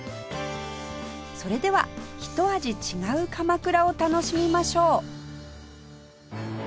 それではひと味違う鎌倉を楽しみましょう